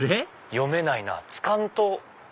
読めないな「つかんと」。